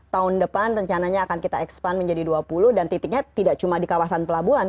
tahun depan rencananya akan kita ekspan menjadi dua puluh dan titiknya tidak cuma di kawasan pelabuhan